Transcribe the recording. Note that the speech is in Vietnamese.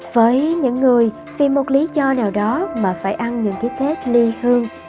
với những người vì một lý do nào đó mà phải ăn những cái tết ly hương